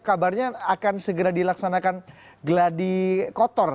kabarnya akan segera dilaksanakan geladi kotor